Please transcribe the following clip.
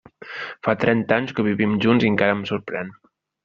Fa trenta anys que vivim junts i encara em sorprèn.